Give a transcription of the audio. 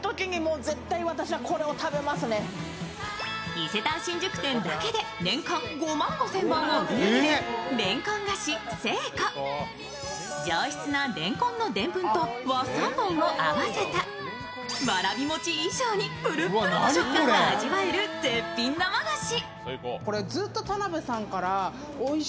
伊勢丹新宿店だけで年間５万５０００本を売り上げるれんこん菓子西湖上質なれんこんのでんぷんと和三盆を合わせたわらび餅以上にプルプルの食感が味わえる絶品生菓子。